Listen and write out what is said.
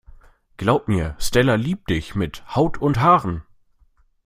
Glaub mir, Stella liebt dich mit Haut und Haaren.